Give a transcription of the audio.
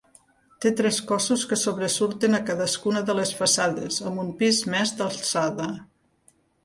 Té tres cossos que sobresurten a cadascuna de les façanes amb un pis més d'alçada.